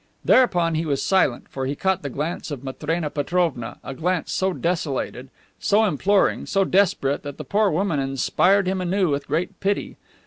Thereupon he was silent, for he caught the glance of Matrena Petrovna, a glance so desolated, so imploring, so desperate, that the poor woman inspired him anew with great pity.